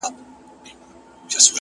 • دی یې تش له لوی اوازه وېرېدلی ,